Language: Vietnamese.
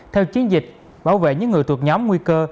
theo chiến dịch bảo vệ những người thuộc nhóm nguy cơ